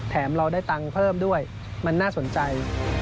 เราได้ตังค์เพิ่มด้วยมันน่าสนใจ